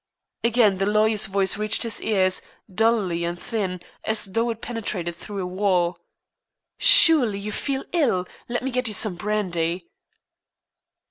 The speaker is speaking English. Again the lawyer's voice reached his ears, dully and thin, as though it penetrated through a wall. "Surely, you feel ill? Let me get you some brandy."